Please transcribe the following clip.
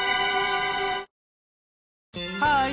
ハーイ！